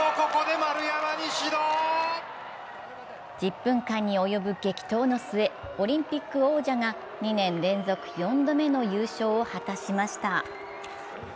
１０分間に及ぶ激闘の末、オリンピック王者が２年連続４度目の優勝を果たしました。